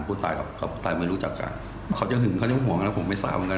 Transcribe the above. ผู้ตายกับผู้ตายไม่รู้จักกันเขาจะหึงเขาจะห่วงนะผม